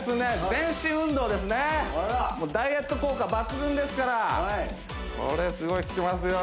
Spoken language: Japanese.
全身運動ですねもうダイエット効果抜群ですからこれすごい効きますよ